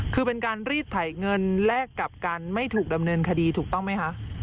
คือเป็นการรีดไถเงินแลกกับการไม่ถูกดำเนินคดีถูกต้องไหมคะ